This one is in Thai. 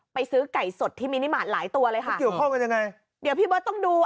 ซื้อไก่สดที่มินิมาตรหลายตัวเลยค่ะมันเกี่ยวข้องกันยังไงเดี๋ยวพี่เบิร์ตต้องดูอ่ะ